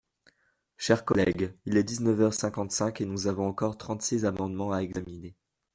Chers collègues, il est dix-neuf heures cinquante-cinq et nous avons encore trente-six amendements à examiner.